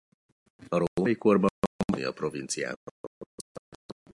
A római korban Pannonia provinciához tartozott.